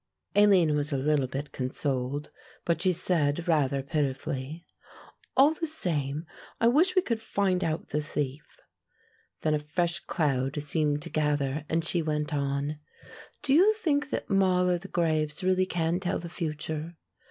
Aline was a little bit consoled, but she said rather pitifully, "All the same I wish we could find out the thief." Then a fresh cloud seemed to gather and she went on; "Do you think that 'Moll o' the graves' really can tell the future?